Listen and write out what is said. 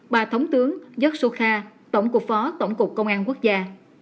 bà thống tướng giấc sô kha tổng cục phó tổng cục công an quốc gia